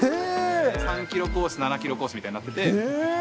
３キロコース、７キロコースみたいになってて。